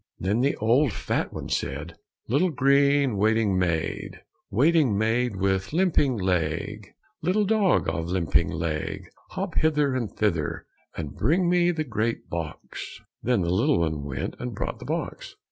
Then the old fat one said, "Little green waiting maid, Waiting maid with the limping leg, Little dog of the limping leg, Hop hither and thither, And bring me the great box." Then the little one went and brought the box.